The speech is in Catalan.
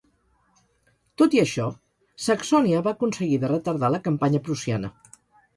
Tot i això, Saxònia va aconseguir de retardar la campanya prussiana.